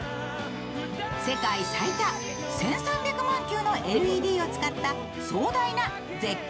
世界最多１３００万球のＬＥＤを使った壮大な絶景